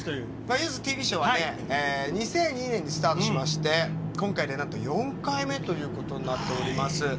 「ゆずＴＶショウ」は２００２年にスタートしまして今回でなんと４回目ということになっております。